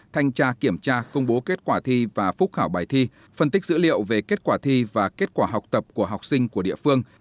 thanh tra kiểm tra công bố kết quả thi và phúc khảo bài thi phân tích dữ liệu về kết quả thi và kết quả học tập của học sinh của địa phương